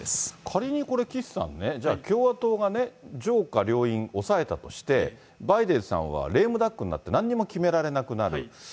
仮にこれ、岸さんね、じゃあ、共和党がね、上下両院おさえたとして、バイデンさんはレームダックになってなんにも決められなくなる。